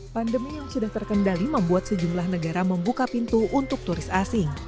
pandemi yang sudah terkendali membuat sejumlah negara membuka pintu untuk turis asing